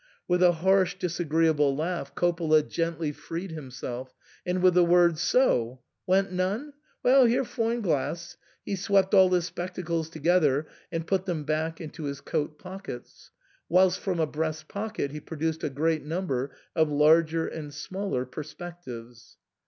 With a harsh disagreeable laugh Coppola gently freed himself ; and with the words " So ! went none ! Well, here foine gless !" he swept all his spectacles together, and put them back into his coat pockets, whilst from a breast pocket he produced a great number of larger and smaller perspectives.